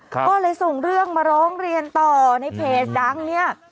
ก็เลยส่งเรื่องมาร้องเรียนต่อในเพจดังเนี่ย